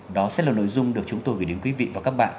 đó sẽ là nội dung được chúng tôi gửi đến quý vị và các bạn